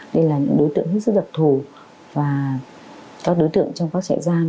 đây là những đối tượng hết sức đặc thù và các đối tượng trong các trại giam